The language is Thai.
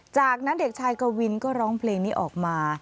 จากนั้นเด็กชายกวินก็ร้องเพลงนี้ออกมา